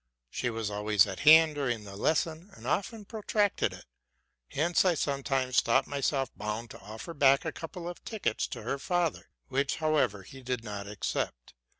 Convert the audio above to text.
She was always at hand during the lesson, and often protracted it: hence I sometimes thought myself boune to offer back a couple of tickets to her father, which, however, he did not accept.